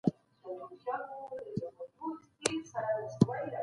ډیپلوماسي باید د نړیوالو دوستانو د زیاتولو لپاره وي.